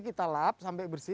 kita lap sampai bersih